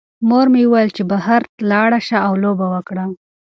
مور مې وویل چې بهر لاړ شه او لوبه وکړه.